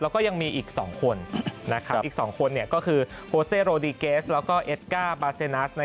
แล้วก็ยังมีอีก๒คนอีก๒คนก็คือโฟเซโรดีเกสแล้วก็เอสก้าบาเซนัส